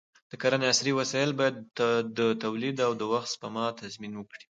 د کرنې عصري وسایل باید د تولید او د وخت سپما تضمین وکړي.